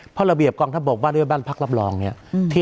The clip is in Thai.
เพราะระเบียบกองทะบกว่าเรียบรับบ้านพรรครับรองเนี่ย